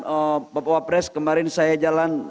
bapak bapak pres kemarin saya jalan